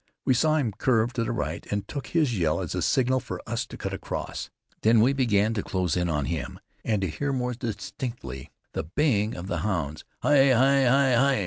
We saw him curve to the right, and took his yell as a signal for us to cut across. Then we began to close in on him, and to hear more distinctly the baying of the hounds. "Hi! Hi! Hi! Hi!"